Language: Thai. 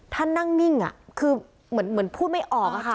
ท่านนั่งนิ่งคือเหมือนพูดไม่ออกอะค่ะ